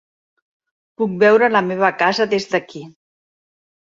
Puc veure la meva casa des d'aquí!